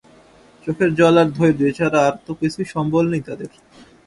চোখের জল আর ধৈর্য, এ ছাড়া আর তো কিছুই সম্বল নেই তাদের।